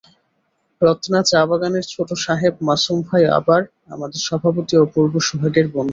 রত্না চা-বাগানের ছোট সাহেব মাসুম ভাই আবার আমাদের সভাপতি অপূর্ব সোহাগের বন্ধু।